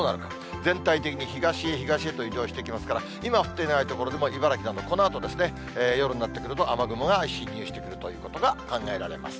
全体的に東へ東へと移動していきますから、今降っていない所でも、茨城など、このあとですね、夜になってくると、雨雲が進入してくるということが考えられます。